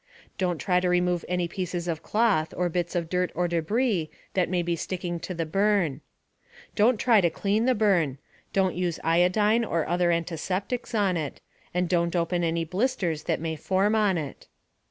Don't try to remove any pieces of cloth, or bits of dirt or debris, that may be sticking to the burn. Don't try to clean the burn; don't use iodine or other antiseptics on it; and don't open any blisters that may form on it.